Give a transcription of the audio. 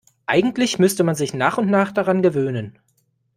Eigentlich müsste man sich nach und nach daran gewöhnen.